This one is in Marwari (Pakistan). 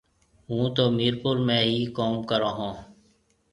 هُون تو ميرپور ۾ ئي ڪوم ڪرون هون۔